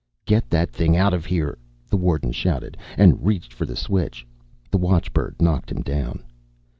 "Get that thing out of here!" the warden shouted, and reached for the switch. The watchbird knocked him down.